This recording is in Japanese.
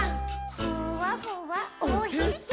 「ふわふわおへそ」